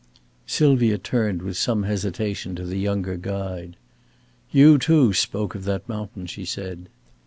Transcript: Sylvia turned with some hesitation to the younger guide. "You too spoke of that mountain," she said.